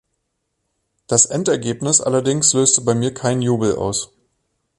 Das Endergebnis allerdings löst bei mir keinen Jubel aus.